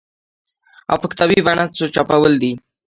او په کتابي بڼه چاپول دي